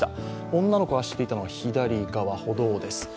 女の子が走っていたのは左側の歩道です。